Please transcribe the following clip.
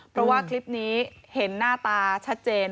เพราะว่าคลิปนี้เห็นหน้าตาชัดเจน